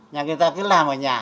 nhà người ta cứ làm ở nhà